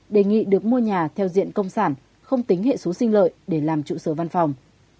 đề nghị được mua nhà theo diện công sản không tính hệ số sinh lợi để làm trụ sở văn phòng